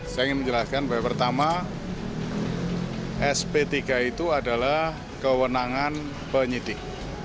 saya ingin menjelaskan bahwa pertama sp tiga itu adalah kewenangan penyidik